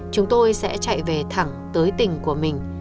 chúng tôi sẽ chạy về thẳng tới tình của mình